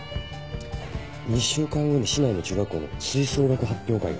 ２週間後に市内の中学校の吹奏楽発表会が。